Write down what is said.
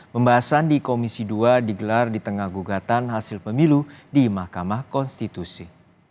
pembahasan di komisi dua digelar di tengah gugatan hasil pemilu di mahkamah konstitusi